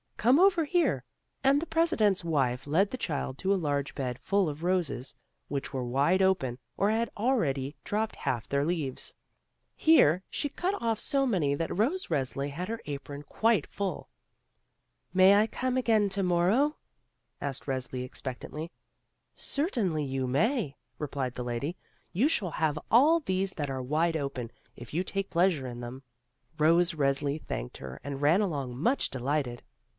Come over here." And the President's wife led the child to a large bed full of roses which were wide open or had already dropped half their leaves. Here she Cut oflf so many that Rose Resli had her apron quite full. "May I come again to morrow?" asked Resli expectantly. "Certainly you may," replied the lady; "you shall have all these that are wide open, if you take pleasure in them." Rose Resli thanked her and ran along much delighted.